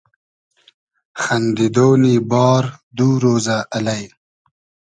خئندیدۉنی بار دو رۉزۂ الݷ